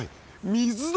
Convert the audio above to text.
水だ！